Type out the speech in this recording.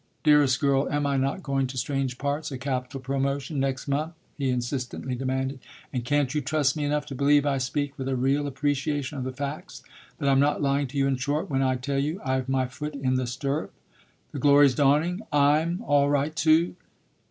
"Dearest girl, am I not going to strange parts a capital promotion next month," he insistently demanded, "and can't you trust me enough to believe I speak with a real appreciation of the facts (that I'm not lying to you in short) when I tell you I've my foot in the stirrup? The glory's dawning. I'm all right too."